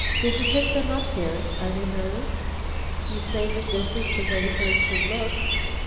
Did you pick them up here? Are they hers?" "You say that this is the way hers should look."